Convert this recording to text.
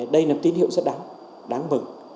đây là tín hiệu rất đáng đáng mừng